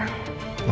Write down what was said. jernih belum kaya